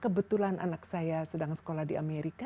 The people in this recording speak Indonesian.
kebetulan anak saya sedang sekolah di amerika